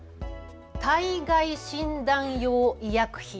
体外診断用医薬品。